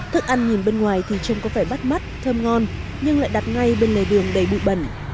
thức ăn nhìn bên ngoài thì trông có phải bắt mắt thơm ngon nhưng lại đặt ngay bên lề đường đầy bụi bẩn